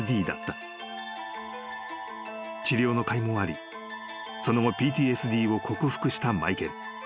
［治療のかいもありその後ＰＴＳＤを克服したマイケル］